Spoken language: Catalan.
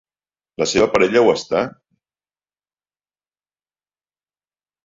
La seva parella ho està?